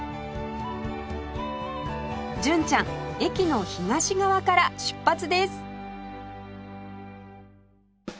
純ちゃん駅の東側から出発です